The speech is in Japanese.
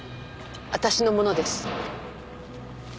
私のものです。